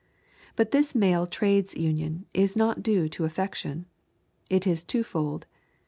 But this male trades union is not due to affection. It is two fold.